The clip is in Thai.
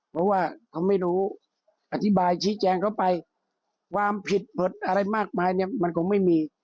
เพราะว่าเขาไม่รู้อธิบายชี้แจงเขาไปความผิดเผิดอะไรมากมายเนี่ยมันคงไม่มี